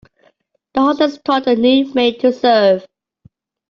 The hostess taught the new maid to serve.